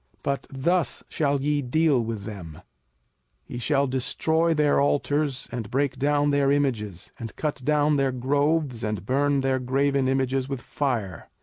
05:007:005 But thus shall ye deal with them; ye shall destroy their altars, and break down their images, and cut down their groves, and burn their graven images with fire.